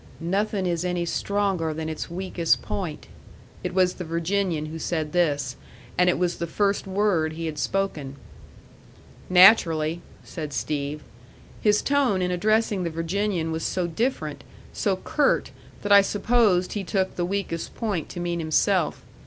"Nothing is any stronger than its weakest point." It was the Virginian who said this, and it was the first word he had spoken. "Naturally," said Steve. His tone in addressing the Virginian was so different, so curt, that I supposed he took the weakest point to mean himself.